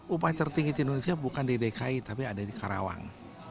upah tertinggi di indonesia bukan di dki tapi ada di karawang